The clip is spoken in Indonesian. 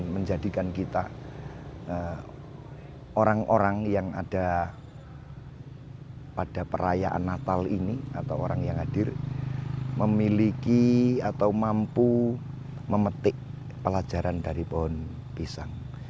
dan menjadikan kita orang orang yang ada pada perayaan natal ini atau orang yang hadir memiliki atau mampu memetik pelajaran dari pohon pisang